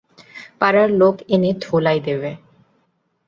পাড়ার লোক এনে ধোলাই দেবে।